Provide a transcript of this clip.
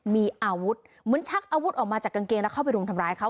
มีอาวุธเหมือนชักอาวุธออกมาจากกางเกงแล้วเข้าไปรุมทำร้ายเขา